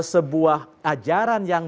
sebuah ajaran yang